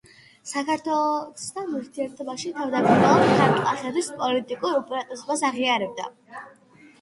საქართველოსთან ურთიერთობაში თავდაპირველად ქართლ-კახეთის პოლიტიკურ უპირატესობას აღიარებდა.